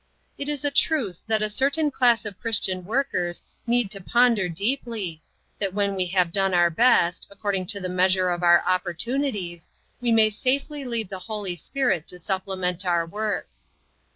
It is a truth that a certain class of Chris tian workers need to ponder deeply, that when we have done our best, according to the measure of our opportunities, we may safely leave the Holy Spirit to supplement our work.